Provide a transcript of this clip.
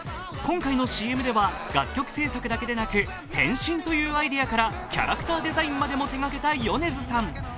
今回のＣＭでは楽曲制作だけでなく変身というアイデアからキャラクターデザインまでも手がけた米津さん。